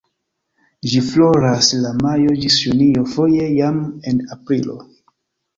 Ĝi floras de majo ĝis junio, foje jam en aprilo.